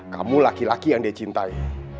kamu laki laki yang dia cintai